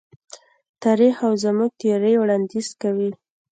تاریخ او زموږ تیوري وړاندیز کوي.